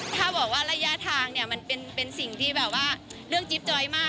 ถ้าบอกว่าระยะทางเนี่ยมันเป็นสิ่งที่แบบว่าเรื่องจิ๊บจ้อยมาก